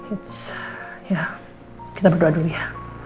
it's ya kita berdoa dulu ya